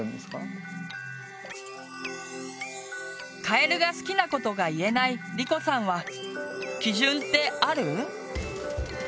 カエルが好きなことが言えないりこさんは基準ってある？